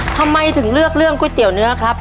ทำไมถึงเลือกเรื่องก๋วยเตี๋ยวเนื้อครับ